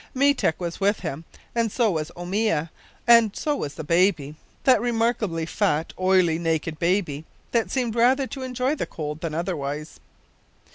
Meetek was with him, and so was Oomia, and so was the baby that remarkably fat, oily, naked baby, that seemed rather to enjoy the cold than otherwise!